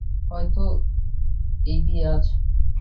হয়তো, এই বিয়ে আজ।